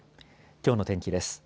きょうの天気です。